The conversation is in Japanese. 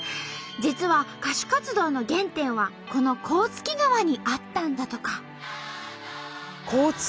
実は歌手活動の原点はこの甲突川にあったんだとか。